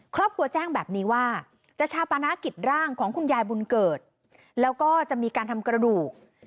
ครอบครัวแจ้งแบบนี้ว่าจะชาปนากิจร่างของคุณยายบุญเกิดแล้วก็จะมีการทำกระดูก